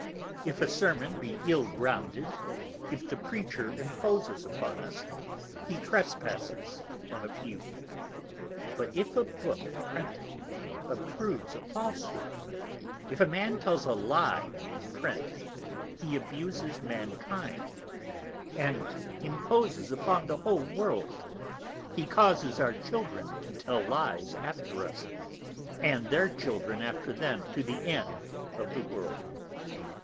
_ _If a Sermon be ill grounded, if the Preacher imposes upon us, he trespasses on a few; but if a Book Printed obtrudes a Falshood, if a Man tells a Lye in Print, he abuses Mankind, and imposes upon the whole World, he causes our Children to tell Lyes after us, and their Children after them, to the End of the World.